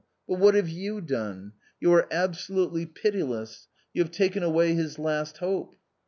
But what have you done? You are absolutely pitiless ; you have taken away his last hope."